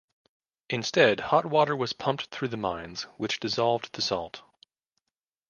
Instead hot water was pumped through the mines, which dissolved the salt.